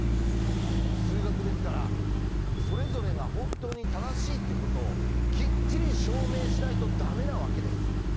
数学ですからそれぞれが本当に正しいってことをきっちり証明しないとダメなわけです。